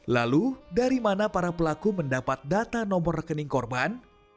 lalu dari mana para pelaku mendapat data nomor rekening korban